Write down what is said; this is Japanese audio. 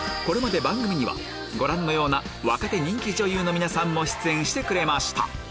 これまで番組にはご覧のような若手人気女優の皆さんも出演してくれました